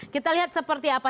kita lihat seperti apa